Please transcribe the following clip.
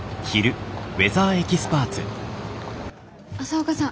朝岡さん。